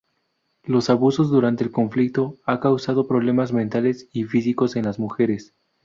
Los abusos durante el conflicto han causado problemas mentales y físicos en las mujeres.